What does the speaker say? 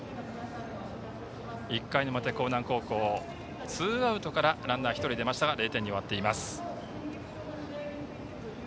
１回の表、興南高校ツーアウトからランナー１人出ましたが０点に終わっています。